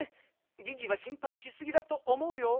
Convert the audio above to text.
ギギはしんぱいしすぎだとおもうよ。